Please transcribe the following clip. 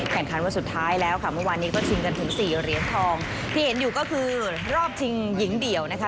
คันวันสุดท้ายแล้วค่ะเมื่อวานนี้ก็ชิงกันถึงสี่เหรียญทองที่เห็นอยู่ก็คือรอบชิงหญิงเดี่ยวนะคะ